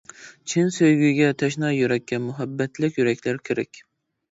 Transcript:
چىن سۆيگۈگە تەشنا يۈرەككە، مۇھەببەتلىك يۈرەكلەر كېرەك.